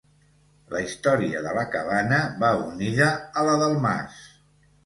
La història de la cabana va unida a la del mas.